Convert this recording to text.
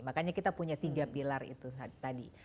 makanya kita punya tiga pilar itu tadi